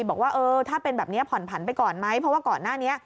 บอกว่าเออถ้าเป็นแบบนี้ผ่อนผันไปก่อนไหมเพราะว่าก่อนหน้านี้